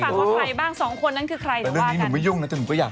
นี่ไงนี่ไงน้องมาอ่านให้ฟังว่าใครบ้าง